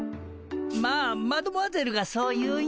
まあマドモアゼルがそう言うんやったら。